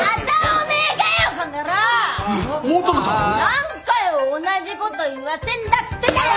何回同じこと言わせんだっつってんだよ！